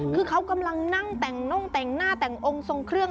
คือเขากำลังนั่งแต่งน่งแต่งหน้าแต่งองค์ทรงเครื่อง